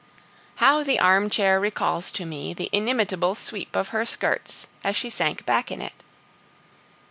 How the armchair recalls to me the inimitable sweep of her skirts as she sank back in it!